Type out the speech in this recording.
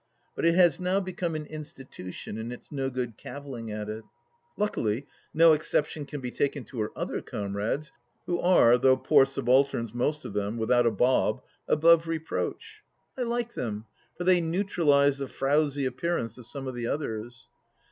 But it has now become an institution, and it's no good cavilling at it. Luckily no exception can be taken to her other comrades, who are — ^though poor subalterns, most of them, without a bob — above reproach. I like them, for they neutralize the frowsy appearance of some of the others.